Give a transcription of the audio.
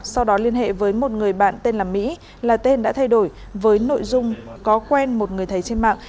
sau đó liên hệ với một người bạn tên là mỹ là tên đã thay đổi với nội dung có quen một người thầy trên mạng